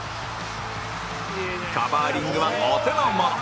カバーリングはお手のもの